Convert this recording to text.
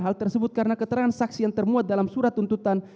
hal tersebut karena keterangan saksi yang termuat dalam surat tuntutan